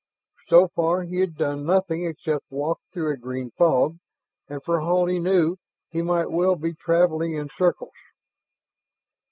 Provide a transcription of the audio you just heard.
So far he had done nothing except walk through a green fog, and for all he knew, he might well be traveling in circles.